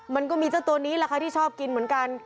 มันก็มีเจ้าตัวนี้แหละค่ะที่ชอบกินเหมือนกัน